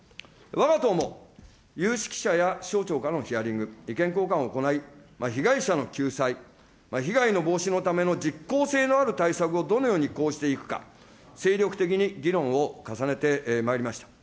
わが党も有識者や省庁からのヒアリング、意見交換を行い、被害者の救済、被害の防止のための実効性のある対策を、どのように講じていくか、精力的に議論を重ねてまいりました。